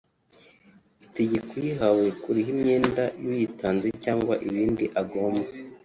itegeka uyihawe kuriha imyenda y’uyitanze cyangwa ibindi agomba